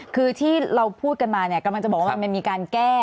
คือที่เราพูดกันมาเนี่ยกำลังจะบอกว่ามันมีการแก้